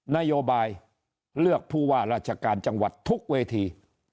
นโยบายเลือกผู้ว่าราชการจังหวัดทุกเวที